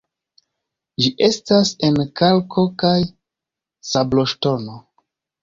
Ĝi estas el kalko- kaj sabloŝtono.